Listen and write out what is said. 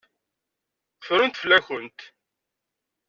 Ffrent fell-akent.